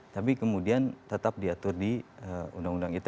tapi kemudian tetap diatur di undang undang ite